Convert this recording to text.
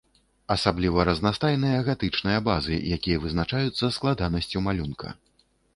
Асабліва разнастайныя гатычныя базы, якія вызначаюцца складанасцю малюнка.